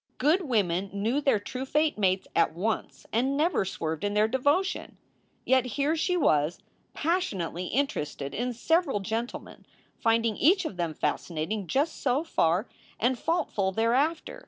Good women knew their true fate mates at once and never swerved in their devotion. Yet here she was, passionately interested in several gentle men, finding each of them fascinating just so far, and faultful thereafter.